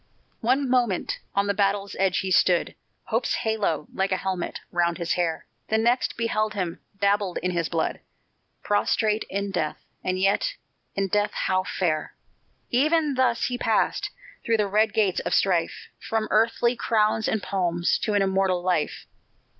One moment on the battle's edge he stood Hope's halo, like a helmet, round his hair; The next beheld him, dabbled in his blood, Prostrate in death and yet, in death how fair! Even thus he passed through the red gates of strife, From earthly crowns and palms, to an immortal life.